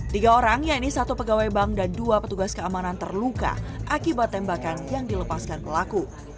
tiga orang yaitu satu pegawai bank dan dua petugas keamanan terluka akibat tembakan yang dilepaskan pelaku